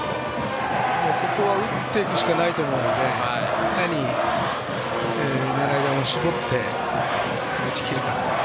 ここは打っていくしかないと思うのでいかに狙い球を絞って打ち切るかと。